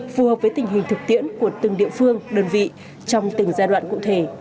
phù hợp với tình hình thực tiễn của từng địa phương đơn vị trong từng giai đoạn cụ thể